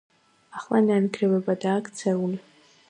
ახლა ნანგრევებადაა ქცეული.